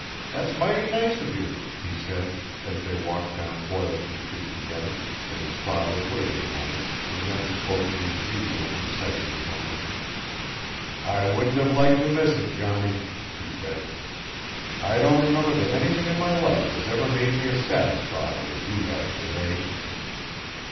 That's mighty nice of you," he said, as they walked down Boylston Street together, and his father waited a moment and then spoke in his usual incisive tone. "I wouldn't have liked to miss it, Johnny," he said. "I don't remember that anything in my life has ever made me as satisfied as you have to day."